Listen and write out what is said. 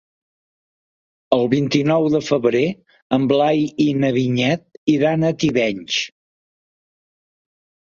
El vint-i-nou de febrer en Blai i na Vinyet iran a Tivenys.